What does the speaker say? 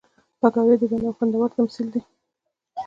پکورې د ژوند یو خوندور تمثیل دی